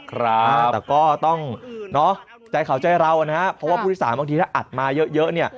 ครับแต่ก็ต้องเนาะใจเขาใจเรานะครับเพราะว่าผู้โดยสารบางทีถ้าอัดมาเยอะเนี่ย